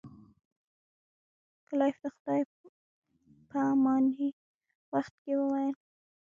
کلایف د خدای په امانی په وخت کې وویل.